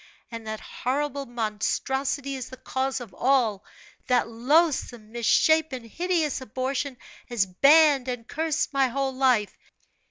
And that horrible monstrosity is the cause of all that loathsome, misshapen, hideous abortion has banned and cursed my whole life!